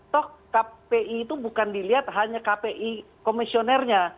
toh kpi itu bukan dilihat hanya kpi komisionernya